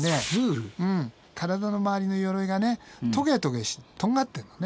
体の周りの鎧がねトゲトゲしてとんがってんのね。